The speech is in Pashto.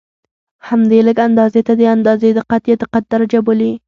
همدې لږې اندازې ته د اندازې دقت یا دقت درجه بولي.